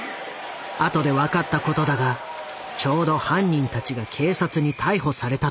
あとで分かったことだがちょうど犯人たちが警察に逮捕された時だった。